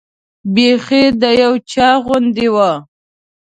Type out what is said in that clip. بیخي د یو چا غوندې وه.